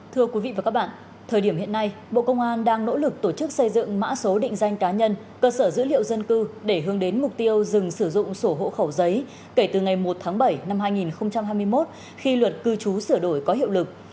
thưa quý vị và các bạn thời điểm hiện nay bộ công an đang nỗ lực tổ chức xây dựng mã số định danh cá nhân cơ sở dữ liệu dân cư để hướng đến mục tiêu dừng sử dụng sổ hộ khẩu giấy kể từ ngày một tháng bảy năm hai nghìn hai mươi một khi luật cư trú sửa đổi có hiệu lực